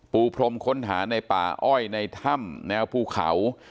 พรมค้นหาในป่าอ้อยในถ้ำแนวภูเขา